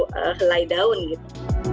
sebagai daun gitu